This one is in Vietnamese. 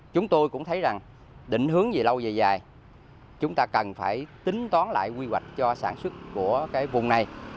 chúng tôi cũng thấy rằng định hướng gì lâu dài dài chúng ta cần phải tính toán lại quy hoạch cho sản xuất của cái vùng này